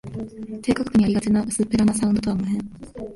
低価格にありがちな薄っぺらなサウンドとは無縁